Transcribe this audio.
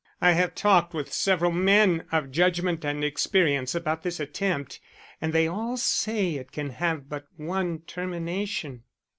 I have talked with several men of judgment and experience about this attempt, and they all say it can have but one termination."